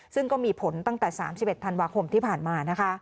ซึ่งก็มีผลตั้งแต่๓๑ธันวาคมที่ผ่านมา